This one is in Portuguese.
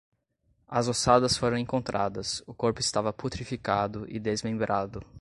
As ossadas foram encontradas, o corpo estava putrificado e desmembrado